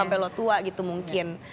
sampai lo tua gitu mungkin